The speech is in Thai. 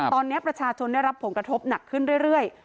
ตอนนี้ประชาชนได้รับผลกระทบหนักขึ้นเรื่อย